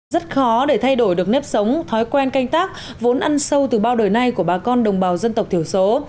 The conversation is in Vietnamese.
rất khó để thay đổi được nếp sống thói quen canh tác vốn ăn sâu từ bao đời nay của bà con đồng bào dân tộc thiểu số